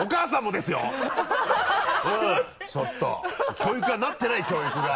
教育がなってない教育が。